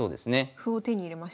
歩を手に入れましたね。